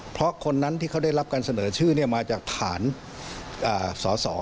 เพราะคนนั้นที่เขาได้รับการเสนอชื่อมาจากฐานสส